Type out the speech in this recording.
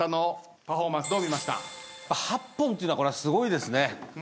８本っていうのはこれはすごいですね。